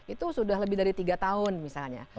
itu sudah lebih dari tiga tahun misalnya